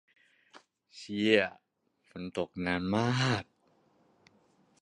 เชี่ย ฝนตกนานมาก